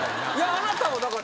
あなたをだから。